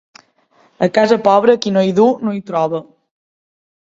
A casa pobra, qui no hi duu, no hi troba.